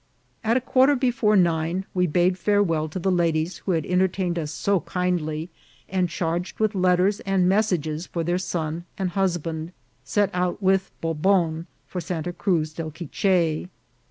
At a quarter before nine we bade farewell to the ladies who had entertained us so kindly, and, charged with letters and messages for their son and husband, set out with Bobon for Santa Cruz del Quiche.